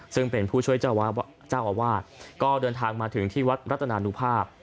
ซึ่งเป็นผู้ช่วยเจ้าอาวาสก็เดินทางมาถึงที่วัดรัตนานุภาพ